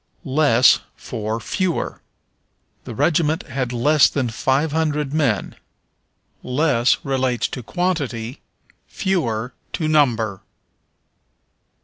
Less for Fewer. "The regiment had less than five hundred men." Less relates to quantity, fewer, to number.